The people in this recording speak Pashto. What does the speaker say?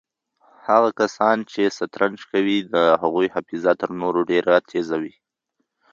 هغه کسان چې شطرنج کوي د هغوی حافظه تر نورو ډېره تېزه وي.